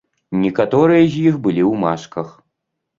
Некаторыя з іх былі ў масках.